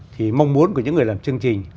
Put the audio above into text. thì mong muốn của những người làm chương trình